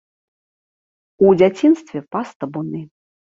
У дзяцінстве пас табуны.